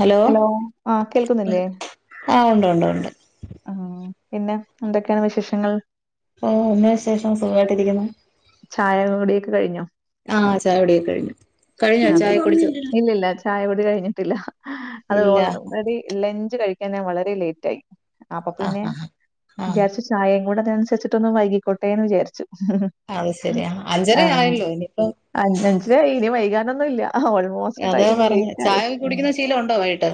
Hello ആ കേൾക്കുന്നില്ലേ? ആഹ് ഉണ്ട് ഉണ്ട് ഉണ്ട് ആഹ് പിന്നെ എന്തൊക്കെയാണ് വിശേഷങ്ങൾ ഓ എന്നാ വിശേഷം സുഖമായിട്ടിരിക്കുന്നു ചായ കുടിയൊക്കെ കഴിഞ്ഞോ? ആഹ് ചായ കുടി ഒക്ക കഴിഞ്ഞു കഴിഞ്ഞോ ചായ കുടിച്ചോ ഇല്ല ഇല്ലാ ചായ കുടി കഴിഞ്ഞിട്ടില്ല അത് ഇല്ല ഓൾറെഡി ലഞ്ച് കഴിക്കൻ വളരെ ലേറ്റ് ആയി അപ്പൊ ആഹ് പിന്നെ ആഹ് ആഹ് വിജാരിച്ചു ചായയും കൂടെ അതനുസരിച്ചിട്ടൊന്ന് വൈകിക്കോട്ടേ എന്ന് വിചാരിച്ചു അത് ശരിയാ അഞ്ചര ആയല്ലോ ഇനിയിപ്പോ അഞ്ച് അഞ്ചരയായി ഇനി വൈകാനൊന്നും ഇല്ല മോസ്റ്റ് അതാ ടൈം പറഞ്ഞെ ലേറ്റ് ആയി ചായ കുടിക്കുന്ന ശീലം ഉണ്ടോ വൈകിട്ട്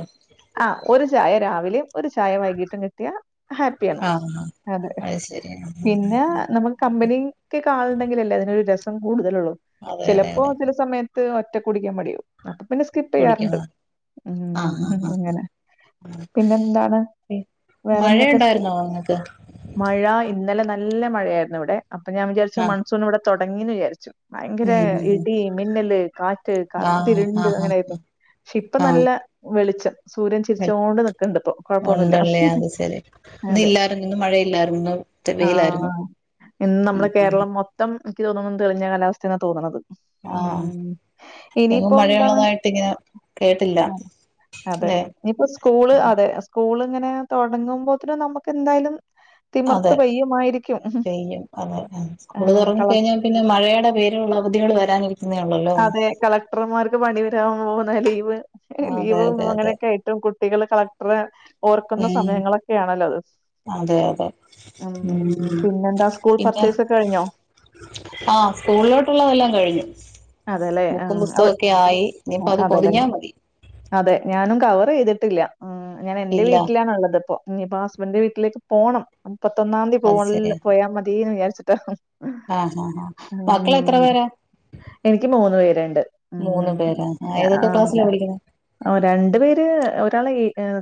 ആഹ് ഒരു ചായ രാവിലെയും ഒരു ചായ വൈകീട്ടും കിട്ടിയാ ഹാപ്പിയാണ് ആഹ് ആഹ് അതെ അത് ശരി പിന്നെ നമ്മുക്ക് കമ്പനി ക്കെ ആളുണ്ടെങ്കിൽ അല്ലേ അതിനൊരു രസം കൂടുതലള്ളൂ അതെ അതെ ചിലപ്പോ അതെ ചില സമയത്ത് ഒറ്റക്ക് കുടിക്കാൻ മടിയാവും അപ്പൊ പിന്നെ സ്കിപ്പ് ചെയ്യാറുണ്ട് കുടിക്കുന്ന ആഹ് ഉം ആഹ് ആഹ് അങ്ങനെ ആഹ് പിന്നെ എന്താണ് വേറെ എന്തൊക്കെ സ്കൂ മഴയുണ്ടായിരുന്നോ നിങ്ങക്ക് മഴ ഇന്നലെ നല്ല മഴയായിരുന്നു ഇവിടെ അപ്പൊ ഞാൻ വിചാരിച്ചു ആഹ് മൺസൂൺ ഇവിടെ തുടങ്ങിന്ന് വിചാരിച്ചു ഭയങ്കര ഉം ഇടി മിന്നല് കാറ്റ് ആഹ് കറുത്തിരുണ്ട് ആഹ് അങ്ങനെയായിരുന്നു പക്ഷെ ഇപ്പ നല്ല ആഹ് വെളിച്ചം സൂര്യൻ ആഹ് ചിരിച്ചോണ്ട് നിക്കണ്ട് ഇപ്പൊ കൊഴപ്പൊന്നുമില്ല ഉണ്ടല്ലേ അത് ശരി ഇന്ന് അതെ ഇല്ലായിരുന്നു ഇന്ന് മഴയില്ലായിരുന്നു ഇന്ന് വെയിലായിരുന്നു ആഹ് ഇന്ന് ഉം നമ്മുടെ ഉം കേരളം മൊത്തം മൊത്തം എനിക്ക് തോന്നുന്നത് തെളിഞ്ഞ കാലാവസ്ഥന്നാ തോന്നുന്നത് ആഹ് ഉം എങ്ങും ഇനിയിപ്പം എന്താണ് മഴയുള്ളതായിട്ട് ഇങ്ങനെ കേട്ടില്ല ആ, അതെ അല്ലെ ഇനിയിപ്പോ സ്കൂള് അതെ സ്കൂൾ ഇങ്ങനെ തുടങ്ങുമ്പോത്തനും നമുക്ക് എന്തായാലും തിമിർത്ത് അതെ പെയ്യുമായിരിക്കും. പെയ്യും അതെ ഉം സ്‌കൂള് ആഹ് കള തുടങ്ങിക്കഴിഞ്ഞാൽ പിന്നെ മഴയുടെ പേരുള്ള അവധികൾ വരാനിരിക്കുന്ന എന്നെ ഉള്ളല്ലോ അതെ കളക്ടർമാർക്ക് പണി വരാൻ പോകുന്ന ലീവ് അതെ ലീവ് അതെ അതെ അങ്ങനെയൊക്കെ മറ്റും കുട്ടികൾ കളക്ടറെ ഓർക്കുന്ന ഉം സമയങ്ങളൊക്കെയാണല്ലോ അത് അതെ അതെ ഉം പിന്നെന്താ സ്കൂൾ പിന്നെ പർച്ചേസ് ഒക്കെ കഴിഞ്ഞോ? ആ സ്കൂളിലോട്ടുള്ളതെല്ലാം കഴിഞ്ഞു അതെല്ലേ ബുക്കും ആഹ് അവ പുസ്തകൊക്കെ ആയി ഇഞ്ഞിപ്പോ അത് അതെല്ലേ പൊതിഞ്ഞാ മതി അതെ ഞാനും കവർ ചെയ്തിട്ടില്ല ഉം ഞാൻ എന്റെ ഇല്ല വീട്ടിലാണുള്ളത് ഇപ്പോ ഇഞ്ഞ് ഇപ്പൊ ഹസ്ബൻഡിന്റെ വീട്ടിലേക്ക് പോണം മുപ്പത്തൊന്നാംതീ അത് പോക ശരിയാ പോയാ മതിന്ന് വിചാരിച്ചിട്ടാ ആഹ് ആഹാ ആഹ് ബാക്കിളെ എത്ര പേരാ എനിക്ക് മൂന്ന് പേരുണ്ട് മൂന്ന് ഉം. പേരാ ആ ഏതൊക്കെ ക്ലാസ്സിലാ പഠിക്കുന്നെ ആ രണ്ടു പേര് ഒരാൾ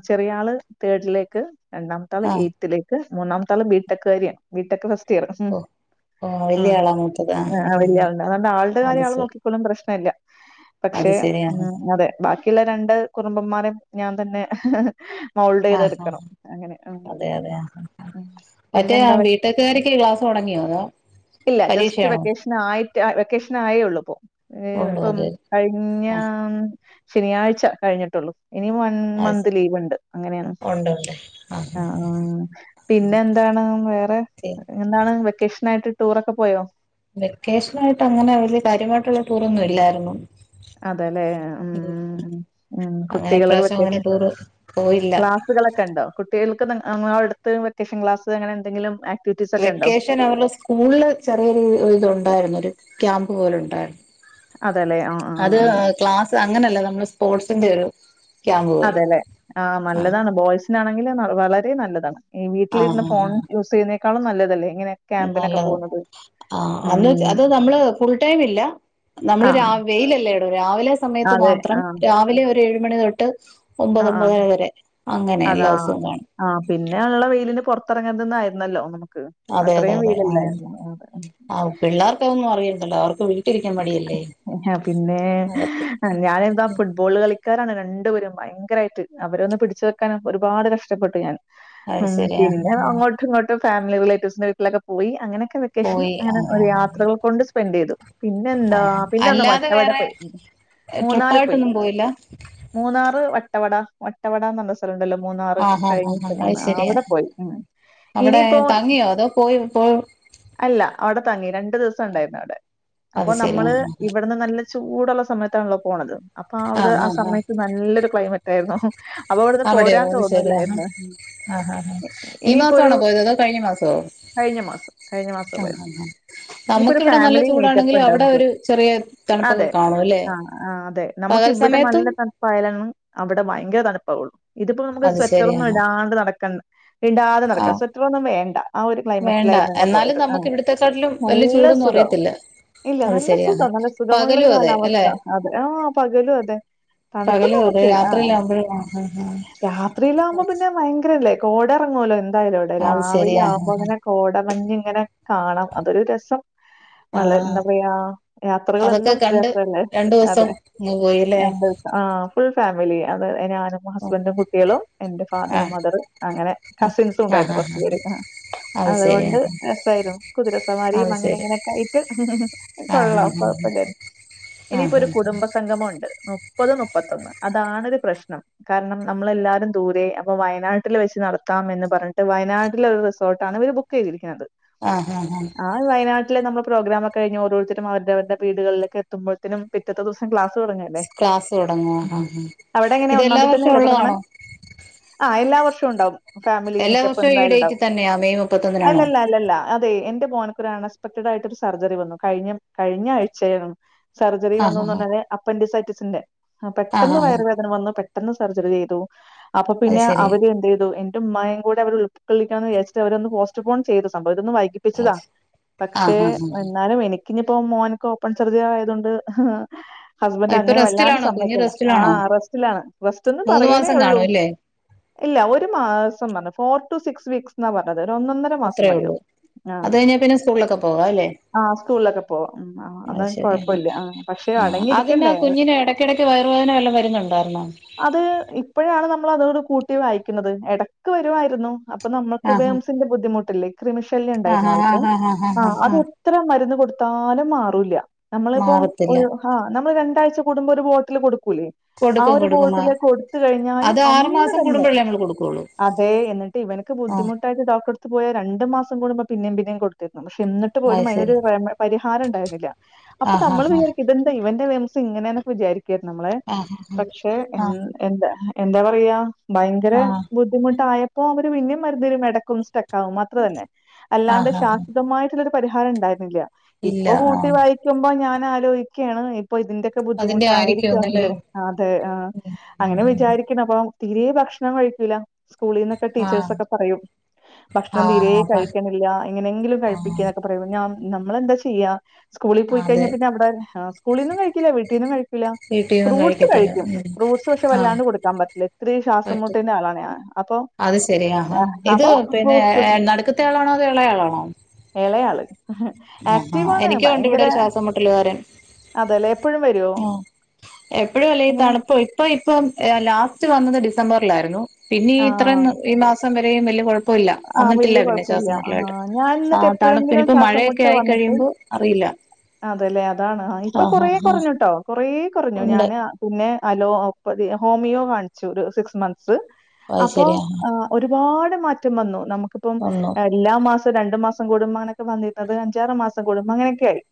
ചെറിയ ആള് തേർഡിലേക്ക് രണ്ടാമത്തെ ആള് ആ എയ്ത്തിലേക്ക് മൂന്നാമ ത്താള് ബി ടെക്കാരിയാണ് B tech first first year ഓ ഓ വല്യ ആളാ മൂത്തത് ആ ആ ആളില്ല ആ അതോണ്ട് ആളുടെ അത് കാര്യ ശരി ലും പ്രശ്നല്ല പക്ഷേ അത് ശരി ആ ഉം അതെ ബാക്കി ലെ രണ്ട് കുറുമ്പന്മാരേം ഞാൻ തന്നെ മോൾഡെയ് ആ ചെയ്ത് ആ എടുക്കണം അങ്ങനെ അതെ പിന്നെ എന്താ [unintelligible] ക്ക് ക്ലാസ് തുടങ്ങിയതോ ഇല്ല ജസ്റ്റ് വെക്കേഷൻ ആയിട്ട് വെക്കേഷൻ ആയേ ഉള്ളൂ ഇപ്പോ ഉള്ളൂ ഇപ്പം അത് കഴിഞ്ഞ ആ ശനിയാഴ്ച കഴിഞ്ഞിട്ടുള്ളൂ ഇനി അത് മന്ത് ശരി ലീവ് ഇണ്ട് അങ്ങനെയാണ് ഉണ്ട് ഉണ്ട് ആ ആഹ് പിന്നെ എന്താണ് ഓക്കെ എന്താണ് വെക്കേഷനായിട്ട് ടൂറൊക്കെ പോയോ വെക്കേഷനായിട്ട് അങ്ങനെ വലിയ കാര്യമായിട്ടുള്ള ടൂറൊന്നും ഇല്ലായിരുന്നു അതല്ലേ ഉം ഉം ഉം അങ്ങനെ കുട്ടികള് ഇപ്രാവശ്യം അങ്ങനെ വെക്കേഷൻ ടൂറ് പോയില്ല ക്ലാ ക്ലാസ്സ്കളൊക്കെ ഉണ്ടോ കുട്ടികൾക്ക് അടുത്ത് വെക്കേഷൻ ക്ലാസ് അങ്ങനെ എന്തെങ്കിലും ആക്ടിവിറ്റീസ് ഒക്കെ ഉണ്ടോ വെക്കേഷൻ അവര്ടെ സ്കൂളില് ചെറിയൊരു ഇതുണ്ടായിരുന്നു ഒരു ക്യാമ്പ് പോലെ ഉണ്ടായിരുന്നു അതെല്ലേ ആ ആ അത് ആ ക്ലാസ്സ് അങ്ങനല്ല നമ്മള് സ്പോർട്സിന്റെ ഒരു ക്യാമ്പ് പോലെ അതെല്ലെ ആ ആഹ് നല്ലതാണ് ബോയ്സിനാണെങ്കിൽ വളരെ നല്ലതാണ് ഈ വീട്ടിലിരുന്ന ആഹ് ഫോൺ ആഹ് യൂസ് ചെയ്യുന്നേക്കാളും നല്ലതല്ലേ ഇങ്ങനെ ക്യാമ്പിനൊക്കെ പോകുന്നത് ആ അന്ന് ഉം അത് നമ്മള് ഫുൾടൈം ഇല്ല ആ നമ്മള് വെയിലല്ലേ എടോ രാവിലെ സമയത്ത് അതെ മാത്രം ആ രാവിലെ ഏഴ് മണി തൊട്ട് ആ ഒമ്പത് ആ ഒമ്പതര വരെ അങ്ങനെ എല്ലാ ദിവസവും കാണും ആഹ് പിന്നെ ഉള്ള വെയിലിന് പുറത്തിറങ്ങര്ത് എന്നായിരുന്നല്ലോ നമുക്ക് അത്രേം വെയിലല്ലായിരുന്നു അതെ ആ പിള്ളേർക്കതൊന്നും അറിയണ്ടല്ലോ അവർക്ക് വീട്ടിലിരിക്കാൻ മടിയല്ലേ പിന്നെ അകത്ത് ആ ഞാനെന്താ ഫുട്ബോള് കളിക്കാരാണ് രണ്ടുപേരും ഭയങ്കരായിട്ട് അവരൊന്ന് പിടിച്ചു വെക്കാൻ ഒരുപാട് കഷ്ടപ്പെട്ടു ഞാൻ അത് ഉം ശരി ആഹ് പിന്നെ ആഹ് അങ്ങോട്ടും ഇങ്ങോട്ട് ഫാമിലി റിലേറ്റീവ്സിന്റെ വീട്ടിലൊക്കെ പോയിങ്ങനൊക്കെ വെക്കേഷൻ പോയി അങ്ങനെ ആഹ് ആഹ് യാത്രകൾ കൊണ്ട് സ്പെൻഡ് ചെയ്തു പിന്നെ എന്താ ആഹ് ആഹ് പിന്നെ ഒന്ന് അല്ലാതെ വട്ടവടെ വേറെ പോയി മൂന്നാറിൽ പോയി ട്രിപ്പായിട്ടൊന്നും പോയില്ല മൂന്നാറ് വട്ടവട വ വട്ടവട എന്ന് പറഞ്ഞ സ്ഥലം ഉണ്ടല്ലോ മൂന്നാറ് ആഹ് ആഹ് കഴിഞ്ഞിട്ട് ആഹ് അത് ശരിയാ അവിടെ പോയി ഉം അവിടെ ഇനിയിപ്പോ തങ്ങിയോ അതോ പോയേ പോയേ അല്ല അവിടെ തങ്ങി രണ്ടു ദിവസം ഉണ്ടായിരുന്നു അവിടെ അപ്പോ അത് ശരി നമ്മള് ആ ഇവിടെ അവിടുന്ന് നല്ല ചൂടുള്ള സമയത്താണല്ലോ പോണത് അപ്പൊ അവിടെ ആ സമയത്ത് നല്ലൊരു ക്ലൈമറ്റ് ആയിരുന്നു അപ്പൊ അവിടന്ന് പോരാൻ തോന്നില്ലായിരുന്നു ആഹാ ആഹാ ഇ- ഈ ഇനിയിപ്പോ മാസ ഒരു ആണോ പോയത് അതോ കഴിഞ്ഞ മാസോ കഴിഞ്ഞ മാസം കഴിഞ്ഞ മാസ പോയത് ഇനിയിപ്പോ നമുക്ക് ഒരു ഇവിടെ നല്ല ഫാമിലി ചൂടാണ് മീറ്റപ്പ് ങ്കിൽ ഉണ്ട് അവിടെ നമുക്ക്. ഒരു ചെറിയ തണുപ്പൊക്കെ അതെ കാണും അല്ലെ പകൽ സമയത്തും പായെലാണ് അവിടെ ഭയങ്കര തണുപ്പാവു ഇതിപ്പ നമക്ക് അത് ശരി സ്വെറ്ററൊന്നും ആ ഇടാണ്ട് നടക്കണം. ഇടാതെ ആ നടക്കാ സ്വെറ്ററൊന്നും വേണ്ട ആ ഒരു വേണ്ട ക്ലൈമറ്റിലായിരുന്നു ഞങ്ങള് എന്നാലും പോയത്. ആ നമുക്ക് ഇവിടത്തെക്കാട്ടിലും വലിയ നല്ല ചൂടൊന്നും സുഖം. അറിയത്തില്ല ഇല്ല അത് നല്ല ശരിയാ സുഖം. നല്ല സുഖമുള്ളരു പകലും അതെ അല്ലെ കാലാവസ്ഥ അതെ ആഹ് പകെലും അതെ. തണുക്കും പകലും അതെ നമുക്ക്. ആ രാത്രിയിലാകുമ്പോഴും ആ ആ രാത്രിയില ആകുമ്പോ പിന്നെ ഭയങ്കരല്ലേ. കോടെ എറങ്ങ്വല്ലോ എന്തായാലും അവിടെ. ആ അത് രാവിലെ ശരിയാ ആകുമ്പോ ആ അങ്ങനെ. കോടമഞ്ഞ് ഇങ്ങനെ കാണാം അതൊരു രസം വള ആഹ് എന്താ പറയാ യാത്രകളെന്നും രസല്ലേ രണ്ടു ദിവസം അതെ. അങ്ങ് പോയില്ലേ ആ ഫുൾ ഫാമിലി അതെ ഞാനും. ഓ ഹസ്ബൻറും, കുട്ട്യേളും, എന്റെ ആ ഫാദറും, മദർ, അങ്ങനെ ആ കസിൻസും ആ ഉണ്ടായിരുന്നു ഹാ കൊറ്ച്ചു ഹാ പേര് ആ. അത് ശരി ആ അതുകൊണ്ട് രസായിരുന്നു. കുതിരസവാരിയും അത് അങ്ങനെ ശരി ഇങ്ങനൊക്കെ ആയിട്ട്. ആ ഹാ കൊള്ളാ ഹാ കുഴപ്പല്ല്യ ടി ആ ഇനിയിപ്പോ ഒരു ഹാ കുടുംബ സംഗമൊണ്ട് മുപ്പത് മുപ്പത്തൊന്ന് അതാണ് ഒരു പ്രശ്നം. കാര്ണം നമ്മള് എല്ലാരും ദൂരെ. അപ്പൊ വയനാട്ടില് വെച്ച് നടത്താം എന്ന് പറഞ്ഞിട്ട് വയനാട്ടില് ഒരു റിസോർട്ടണ് ബു ക്ക് ചെയ്തിരിക്ക്ണത്. ആഹ് ആഹ് ആഹ് ആ വയനാട്ടില് നമ്മള് പ്രോഗ്രാം ഒക്കെ കഴഞ് ഓരോരുത്തരും അവര അവരുടെ വടുകളിലൊക്കെ എത്തുപോഴത്തിനും പിറ്റെത്തെ ദിവസം ക്ലാസ് തൊടങ്ങല്ലേ ക്ലാസ് തുടങ്ങും ആ ഹാ ഹാ അവിടെ എങ്ങനെ ഇത് ഒന്നാം എല്ലാ തീയ വർഷവും തന്നെല്ലേ തൊടങ്ങ്ണേ? ഉള്ളതാണോ ആഹ് എല്ലാ വർഷവും ഉണ്ടാവും. ഫാമിലി എല്ലാ മീറ്റപ്പ് വർഷവും ഈ എന്തായാലും ഇണ്ടാവും ഡേറ്റിൽ തന്നെയാ മെയ് മുപ്പത്തൊന്നിനാണോ അല്ലല്ല അല്ലല്ല. അതെ എന്റെ മോന്ക്കൊരു അണ സ്പെക്റ്റഡ് ആയിട്ട് ഒരു സർജറി വന്നു. കഴിഞ്ഞ കഴിഞ്ഞ ആഴ് ചേയാണ്. സർജറി ആ ഹാ വന്നുന്ന് ഹാ പറഞ്ഞാല് അപ്പൻഡസൈറ്റിസിന്റെ ആ പെട്ടെന്ന് ഹാ ഹാ വയറു വേദന വന്നു പെ പെട്ടെന്ന് സർജറി ചെയ്തു. അപ്പൊ അത് പിന്നെ ശരി അവര് എന്തയ്തു എൻ ഇമ്മായെ കൂടെ അവർ ഉൾക്കൊള്ളിക്കണംന്ന് വിചരിച്ചിട്ട അവരോന്ന് പോസ്റ്റ് ഫോൺ ചെയ്ത് സംഭവ ഇതൊന്ന് വൈകി ആ പ്പിച്ചതാ ആ പക്ഷേ ഹാ ഹാ എന്നാലും എനിക്കിഞ്ഞിപ്പൊ മോനക്ക് ഓപ്പൺ സർജൻ ആയതൊണ്ട് ഹസ്ബെന്റ് ഇപ്പൊ അങ്ങനെ വല്ലാണ്ട് റെസ്റ്റിലാണോ കുഞ്ഞ് സമ്മക്കല്ല റെസ്റ്റിലാണോ ആഹ് റെസ്റ്റിലാണ് റെസ്റ്റ് ഇന്ന് മൂന്ന് പറയിണേ മാസം ഒള്ളൂ. കാണും അല്ലേ ഇല്ല ഒരു മാസം പറഞ്ഞത്. ഫോർ ടു സിക്സ് വീക്സ് എന്നാ പറഞ്ഞത് ഒന്നൊ [unintelligible] ഒന്നര അത്രേ ഒള്ളൂ അത് കഴിഞ്ഞാ പിന്നെ സ്കൂളിലൊക്കെ പോകാം അല്ലേ? ആഹ് സ്കൂളിലൊക്കെ പോവാം ഉം ആ അത അത് [unintelligible] ശരിയാണ് കൊഴപ്പൊല്ല ആ പക്ഷെ അടങ്ങി ഇരിക്കണ്ടേ എടക്കിടക്ക് വയവുവേദന വല്ല വരുന്നുണ്ടായിര്ന്നോ അത് ഇപ്പഴാണ് നമ്മൾ അതോട് കൂട്ടി വായിക്കുന്നത്. എടക്ക് വരുവായിരുന്നു. അപ്പൊ നമ്മക്ക് ആ ഹാ വേംസിന്റെ ബുദ്ധിമുട്ടില്ലേ കൃമിശല്യം ആ ഇണ്ടായിരുന്നൊ ഹാ ആ ആൾക്ക്. ഹാ ഹാ ആ ഹാ അത് ഹാ എത്ര മരുന്ന് കൊടുത്താലും മാറൂല നമ്മള് ഇപ്പം മാറത്തില്ല ആഹ് നമ്മള് രണ്ടാഴ്ച കൂടുമ്പോ ഒരു ബോട്ടില് കൊടുക്കൂലേ ആ കൊടുക്കും ഒരു കൊടുക്കും ആ ബോട്ടിലേക്ക് കൊടുത്ത് കഴിഞ്ഞാലും അത് ആറു അന്ന് മാസം തന്നെ കൂടുമ്പോഴല്ലേ നമ്മൾ കൊടുക്കുള്ളൂ അതെ എന്നിട്ട് ഇവൻക്ക് ആ ബുദ്ധിമുട്ട് ട്ടായിട്ട് ഡോക്ടറട്ത്ത് പോയാ രണ്ട് മാസം കൂടുമ്പോ പിന്നേം പിന്നെം കൊടുത്തിരുന്നു. പക്ഷെ എന്നി പോലും അത് അയ്നൊരു ശരി റെ [unintelligible] പരിഹാരം ഉണ്ടായിരുന്നില്ല. ആ അപ്പൊ ഹാ നമ്മൾ ഹാ ഇതെ ഇവന്റെ ഇത് ഇങ്ങനെ ന്നൊക്കെ വിചാരിക്കെ നമ്മളെ ആ ഹാ ഹാ പക്ഷെ ആ എന്താപ്പറിയ ഭയങ്കര ആ ബുദ്ധിമുട്ടായപ്പോ അവര് പിന്നെ മരുന്നരും എടക്കൊന്ന് സ്റ്റെക്കാവും അത്ര തന്നെ ആ അല്ലാത ഹാ ഹാ ശാശ്വതമായിട്ടുള്ളൊരു പരിഹാരം ഉണ്ടായിരുന്നില്ല ഇല്ല ഇപ്പൊ ആ കൂട്ടി വായി ക്കുമ്പോ ഞാനായാലും ഇക്ക്യേണ് ഇപ്പൊ ഇതിന്റെ അതിന്റെ ബുദ്ധിമുട്ടായിരിക്കും ആയിരിക്കുംന്നല്ലേ അവന്ക് അതെ ഉം ഉം അങ്ങനെ ഉം വിചാരിക് അപ്പൊ തീരെ ഭക്ഷണം കഴിക്കൂല സ്കൂളിന്നൊക്കെ ആ ടീച്ചേഴ് സൊക്കെ പറയും. ആ ഭക്ഷണം തീരെ അപ്പ കയ്ക്ണില്ല എങ്ങനെങ്കിലും ആ കഴിപ്പി പറയും ഞ നമ്മളെന്താ ചെയ്യാ സ്കൂളിൽ പോയി കഴിഞ്ഞാ അതെ പിന്നെ അവിടെ സ്കൂളീന്നും കഴിക്കില്ലേ വീട്ടീന്നും കഴിക ല വീട്ടീന്നും ഫ്രൂട്ട്സ് കഴിക്കത്തില്ല കഴിക്ക്യും. ഉം ഫ്രൂട്ട്സ് പക്ഷെ ആ വല്ലാണ്ട് കൊടുക്കാൻ പറ്റില്ല ഇത്രീ ശ്വാസം പറ്റും മുട്ടിന്റെ ആളാണ് അപ്പൊ അത് ശെരി ഹ ഹാ. ഇത് അപ്പൊ പിന്നെ ഫ്രൂട്ട്സ് നടുക്കത്തെ ആളാണോ അതൊ എളെ യാളാണോ എളെ ആള്. ആക്റ്റീവാണ് എനിക്കും ഉണ്ട് ഭയങ്കെര ഇവിടെ ഒരു ശ്വാസം അതേല്ലേ എപ്പളും വ ആ എപ്പളു അല്ലെങ്കി തണുപ്പ ഇപ്പ ഇപ്പം ലാസ്റ്റ് വന്നത് ഡിസംബറ്ലായിരുന്നു പിന്നെ ഇത്രം ആഹ് ഈ മാസം വരെയും വലിയ കൊഴപ്പ ഇപ്പല്ല ആഹ് വന്നിട്ടില്ല വല്യ പിന്നെ ല്ല്യ കൊഴപ്പല്ല ശ്വാസംമു ആഹ് ട്ടലായിട്ട് ഞാൻ ആ എന്നിട്ട് തണു പിന്ന എപ്പോഴെങ്കിലും ഇപ്പ ശ്വാസം മുട്ട് വന്നിട്ട് മഴയൊക്കെആയികഴിയുമ്പൊ അറിയില്ല അതെല്ലേ അതാണ് ഇപ്പൊ ആഹ് കൊറേ ആഹ് ആഹ് കുറഞ്ഞൂട്ടൊ കൊറേ കുറഞ്ഞു ഉണ്ട് ഞാന്പിന്നെ അലോപ്പതി ഹോമിയോകാണിച്ചു ഒരു സിക്സ് മന്ത്സ് അത് അപ്പോ ശരിയാ ഏഹ് ഒരുപാട് മാറ്റം വന്നു നമുക്കപ്പം ഒന്നു എല്ലാ മാസം രണ്ടു മാസം കൂടുംമ്പൊ അങ്ങനൊക്കെ വന്നിര്ന്നത് അഞ്ചാറ് മാസം കൂടുമ്പം അങ്ങനൊക്കെ ആയി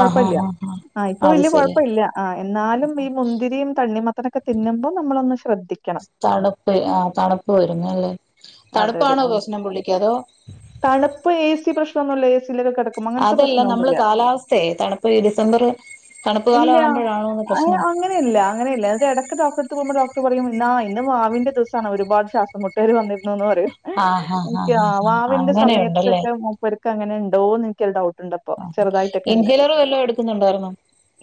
ആഹ് ആഹ് ആഹ് ഇപ്പൊ അത് വല്യ ശരി കൊഴപ്പല്യ ആഹ് എന്നാലും ഈ മുന്തിരിയും തണ്ണിമത്ത ത്തനക്കെ തിന്നുമ്പൊ നമ്മളൊന്ന് ശ്രദ്ധിക്കണം തണ്പ്പ് ആഹ് തണ്പ്പ് വരുന്നല്ലേ അതെ അതെ തണുപ്പാണോ ആഹ് പ്രശ്നം പുള്ളിക്ക് അതോ തണ്പ്പ് എ സി പ്രശ്നൊന്നുല്ല എ സി യിലെല്ലാം കെടക്ക അതല്ല നമ്മള് കാലാവസ്ഥേ തണു പ്പ് ഈ ഡിസംബർ തണുപ്പ് കാല ആവുമ്പോഴാണോ ന്ന് പ്രശ്നം പ്പെ യില്ല അങ്ങനെയില്ല ത് ഇടക്ക് ഡോക്ടറെ എട്ത്ത് പോകുമ്പോ ഡോക്ടർ പറയും എന്നാ ഇന്ന് വാവിന്റെ ദിവസാണ് ഒരുപാട് ശ്വാസം മുട്ട് പ്പര് വന്നിരുന്നൂന്ന് പറീംനിക്ക് ആഹ് വാവിന്റെ സമയത്തൊക്കെ മൂപ്പര്ക്ക് ക്ക അങ്ങനെണ്ടോന്ന് നിക്കൊരു ഡൗട്ടുണ്ട് ആഹ് ഇൻ ഹീലർ വല്ലോ എടുക്കുന്നുണ്ടായിരുന്നോ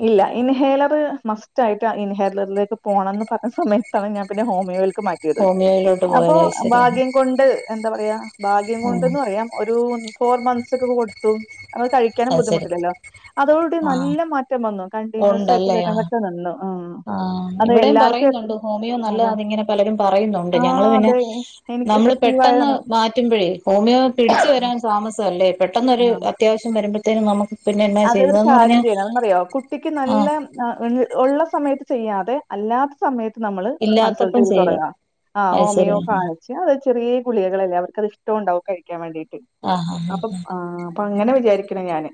ഇല്ല ഇൻഹേലറ് മസ്റ്റായിട്ട് ഇൻഹേർലറിലേക്ക് പോണം ന്ന് പർഞ്ഞ സമയത്താണ് ഞാൻ പിന്നെ ഹോമിയോൽക്ക് മാറ്റി ട്ടിയത് ഹോമിയോയിലോട്ട് അപ്പോ പോയത് അത് ശരി ഭാഗ്യം കൊണ്ട് എന്താ പറയാ ഭാഗ്യം ആഹ് കൊണ്ട്ന്ന് പറയാം ഒരു ഫോർ മന്ത്സ് ഒക്കെ പ്പ കൊടുത്തു അത് കഴിക്കാനും അത് ശരി ബുദ്ധിമുട്ടില്ലല്ലോ ആഹ് അതോടൂടിനല്ല മാറ്റം വന്നു കണ്ടിന്യൂസായിട്ട് ഉണ്ടല്ലേ ആഹ് വര്ന്നതൊക്കെ നിന്നൂ ആഹ് ആഹ് ഇവിടെയും പറയ് ന്നുണ്ട് ഹോമിയോ നല്ലതാന്ന് ങ്ങനെ പലരും പറയുന്നുണ്ട് ആ ഞങ്ങള് പിന്നെ അതെ. എനിക്ക് നമ്മള് എഫക്റ്റീവ് പെട്ടെന്ന് ആയതാണ്. മാറ്റുമ്പഴേ ഹോമിയോ പിടിച്ച് വരാൻ താമസാ അല്ലേ പെട്ടെന്ന് ഒര് അത്യാവശ്യം വരുമ്പത്തേനും നമുക്ക് പിന്നെ എന്നാ അത് ഒരു ചെയ്യുന്നതെന്ന് കാര്യം പറഞ്ഞാ ചെയ്യണം ന്താന്നറിയോ കുട്ടിക്ക് നല്ല ആഹ് ഉള്ള സമയത്ത് ചെയ്യാതെ അല്ലാത്ത സമയത്ത് നമ്മള് കൺസൾട്ട് ഇല്ലാത്തപ്പം ചെയ്ത് ചെയ്യുക തുടങ്ങാം ആ അത് ശരി ഹോമിയോ ആഹ് കാണി ച്ച അത് ചെറീയഗുളികകളല്ലേ അവർക്ക്ത് ഇഷ്ട്ടം ണ്ടാവും കഴിക്കാൻ വേണ്ടീട്ട് ആഹ് ആഹ് അപ്പം ആഹ് അപ്പൊ അങ്ങനെ വിചാരിക്ക്ണ് ഞാന്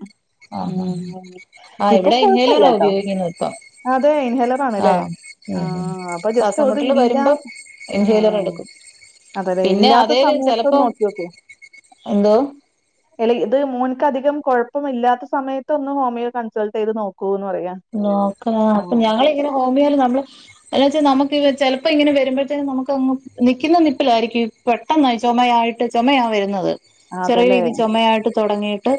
ആഹ് ആഹ് ഉം. ആഹ് ഇപ്പൊ ഇവിടെ ഇൻഹേയ്ലറാ കുഴപ്പമില്ലാട്ടോ. ഉപയോഗിക്കുന്നതിപ്പം അതെ ഇൻഹേലർ ആണല്ലേ? ആഹ് ആ ഉം അപ്പൊ ജസ്റ്റ് അത് ശ്വാസംമുട്ടല് ഇല്ലാ വരുംമ്പം ഇൻ ആ. ഹീലർ എടുക്കും അതേല്ലേ പിന്നെ ഇല്ലാത്ത അതേല് സമയത്തൊന്ന് ചെലപ്പോം നോക്കി നോക്ക്. എന്തോ ഇത് മൂൻക്കധികം കൊഴപ്പം ഇല്ലാത്ത ആ സമയത്തൊന്ന് ഹോമിയോ കൺസൾട്ടെയ്ത് നോക്കൂ ന്ന് പറയാ നോക്കങ്ങന ആഹ് അപ്പം ഞങ്ങളിങ്ങനെ ഹോമിയോല് നമ്മള് എന്ന്ച്ചാ നമുക്ക് ചെലപ്പോ ഇങ്ങനെ വരുമ്പോഴത്തേനും നമുക്ക് നിക്കുന്ന നിപ്പിലാരിക്കും പെട്ടെന്നായി ചൊമയായിട്ട് ചൊ മയാ വരുന്നത് ചെറിയ അതല്ലേ രീതി ചുമയായിട്ട് തൊടങ്ങീ ട്ട്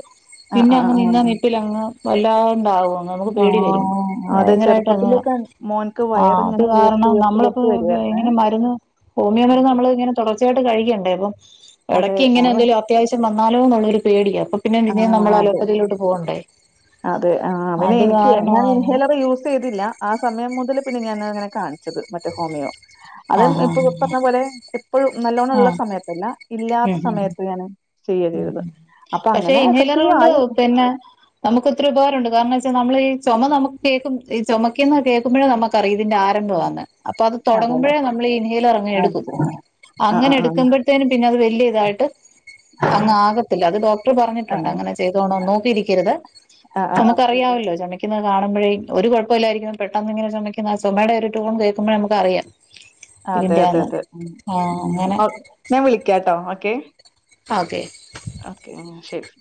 ആഹ് പിന്നെ ആഹ് അങ്ങ് നിന്ന ആഹ് നിപ്പിലങ്ങ് വല്ലാണ്ടാവും അങ്ങ് നമുക്ക് പേടി വരും ആഹ് അതെ ഭയങ്കരായിട്ട അങ്ങ് ചെറുപ്പത്തിലൊക്കെ മോൻക്ക് ആഹ് അത് വയറിങ്ങനെ വീർത്ത് കാരണം വീർത്ത് നമ്മള് പ്പൊ വീർത്ത് വരുവായിരുന്നേ. ഇങ്ങനെ മരുന്ന് ഹോമിയോ മരുന്ന് അതെ നമ്മള് ഇങ്ങനെ തൊടർച്ചയായിട്ട് കഴിക്കണ്ടേ അപ്പം അതെ ഇടയ്ക്ക് ഇങ്ങനെ അവൻ എന്തേലും അത്യാവശ്യം വന്നാലോ ന്നൊള്ളൊരു പേടിയാ അപ്പ പിന്നെ പിന്നേം ആഹ് നമ്മള് അതെ അലോപ്പതിയിലോട്ട് പോവണ്ടെ അതെ ആഹ് പിന്നെ എനിക്ക് ഞാൻ ഇങ്ങനെ ഇൻഹേലർ യൂസെയ്‌തില്ല ആ സമയം മുതല് പിന്നെ ഞാന് അങ്ങനെ കാണിച്ചത് മറ്റേ ഹോമിയോ അത് ആഹ് ഇപ്പൊ ഇപ്പർഞ്ഞ പോലെ ഇപ്പൊഴും നല്ലോണ്ണം ആഹ് ള്ള ആഹ് സമയത്തല്ല ഇല്ലാത്ത ഉം ഉം സമയത്ത് ഞാന് ചെയ്യ ഉം ചെയ്തത് അപ്പൊ പക്ഷെ അങ്ങനെ ഇൻഹെയ്ലർ എഫക്റ്റീവ് കൊണ്ട് ആയി പിന്ന നമുക്ക് എത്രയോ ഉപകാരംണ്ട് കാരണം ച്ചാ നമ്മള് ഈ ചൊമ നമുക്ക് കേൾക്കും ഈ ചൊമയ്ക്കു ന്ന കേൾക്കുമ്പൊഴെ നമ്മക്കറിയും ഇതിന്റെ ആഴം ആരംഭവാന്ന് അപ്പൊ അത് അതെല്ലെ തുടങ്ങുമ്പഴേ നമ്മളീ ഇൻ ഹൈലർ അങ്ങ് എടുക്കും അടിച്ചു ആഹ് അങ്ങനെ ആഹ് എടുക്കുമ്പോഴ്ത്തേനും പിന്നെ അത് വല്ലിയ ഇതായിട്ട് അങ്ങ് ആകത്തില്ല അത് ഡോക്ടർ പറഞ്ഞിട്ടുണ്ട് ആഹ് അങ്ങനെ ചെയ്തോണോന്ന് നോക്കിയിരിക്കരുത് ആഹ് ആഹ് ആഹ് നമുക്ക് അറിയാവല്ലോ ചൊമ ക്കിങ്ങനെ കാണുമ്പഴേ ഒരു കുഴപ്പുല്ലായിരിക്കും പെട്ടെന്ന് ഇങ്ങനെയൊരു ചുമയ്ക്കുന്ന ചുമയുടെ ഒരു ടൂൺ കേൾക്കുംമ്പ നമുക്കറിയാം അതെ അതെ അതെ ഉം ആ ഉം അങ്ങനെ ഞാൻ വിളിക്കിട്ടോ ഓക്കെ ആഹ് ഓകെ ഓക്കെ ഉം ശരി